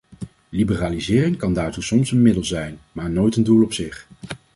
Liberalisering kan daartoe soms een middel zijn, maar nooit een doel op zich.